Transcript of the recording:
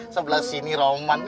sebelah sini roman